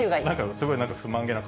すごいなんか不満げな顔。